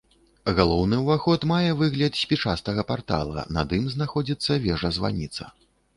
Галоўны ўваход мае выгляд спічастага партала, над ім знаходзіцца вежа-званіца.